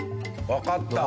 わかった。